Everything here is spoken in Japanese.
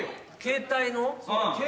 携帯の？